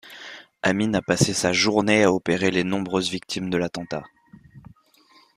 Amine a passé sa journée à opérer les nombreuses victimes de l'attentat.